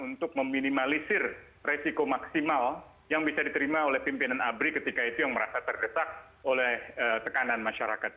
untuk meminimalisir resiko maksimal yang bisa diterima oleh pimpinan abri ketika itu yang merasa tergesak oleh tekanan masyarakat